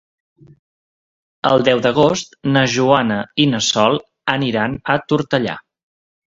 El deu d'agost na Joana i na Sol aniran a Tortellà.